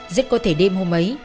rất có thể đêm hôm ấy